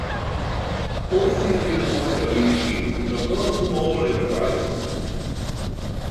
Wrth iddyn nhw dyfu'n hŷn, tyfodd yn ôl i'r gwaith.